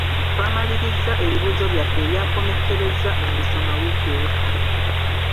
Twamalirizza ebibuuzo byaffe ebyakomekkereza olusoma wiiki ewedde.